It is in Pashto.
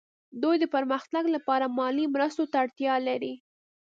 دوی د پرمختګ لپاره مالي مرستو ته اړتیا لري